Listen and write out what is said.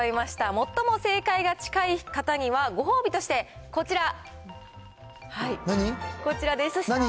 最も正解が近い方にはご褒美として、こちら。